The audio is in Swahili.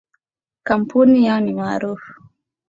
Campuni yao ni maarufu.